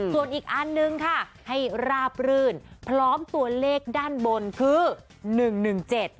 ส่วนอีกอันนึงค่ะให้ราบรื่นพร้อมตัวเลขด้านบนคือ๑๑๗